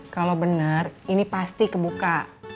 kalo bener ini pasti kebuka